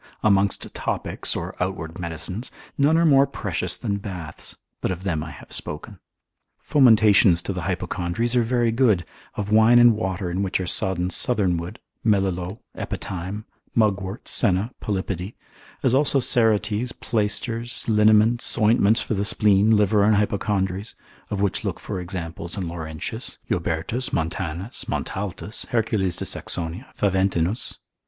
Amongst topics or outward medicines, none are more precious than baths, but of them I have spoken. Fomentations to the hypochondries are very good, of wine and water in which are sodden southernwood, melilot, epithyme, mugwort, senna, polypody, as also cerotes, plaisters, liniments, ointments for the spleen, liver, and hypochondries, of which look for examples in Laurentius, Jobertus lib. 3. c. pra. med. Montanus consil. 231. Montaltus cap. 33. Hercules de Saxonia, Faventinus.